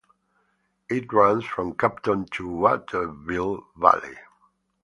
It runs from Campton to Waterville Valley.